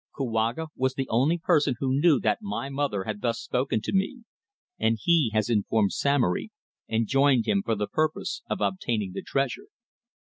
Kouaga was the only person who knew that my mother had thus spoken to me, and he has informed Samory and joined him for the purpose of obtaining the treasure."